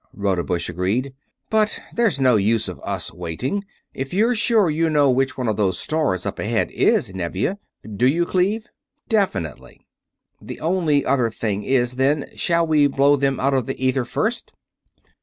Rodebush agreed. "But there's no use of us waiting, if you're sure you know which one of those stars up ahead is Nevia. Do you, Cleve?" "Definitely." "The only other thing is, then, shall we blow them out of the ether first?"